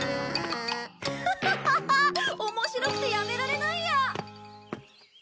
面白くてやめられないや！